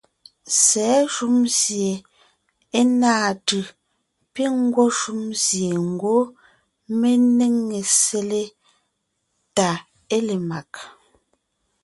Sɛ̌ shúm sie é náa tʉ̀ piŋ ńgwɔ́ shúm sie ńgwɔ́ mé néŋe sele tà é le mag.